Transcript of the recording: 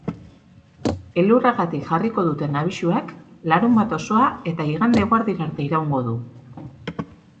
Elurragatik jarriko duten abisuak larunbat osoa eta igande eguerdira arte iraungo du.